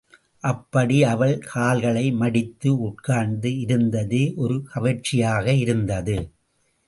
அப்படி அவள் கால்களை மடித்து உட்கார்ந்து இருந்ததே ஒரு கவர்ச்சியாக இருந்தது.